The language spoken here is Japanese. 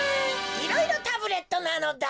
いろいろタブレットなのだ。